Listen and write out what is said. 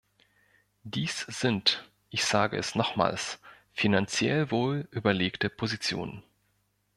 Dies sind, ich sage es nochmals, finanziell wohl überlegte Positionen.